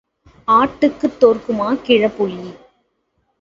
ஆட்டுக்குத் தோற்குமா கிழப்புலி?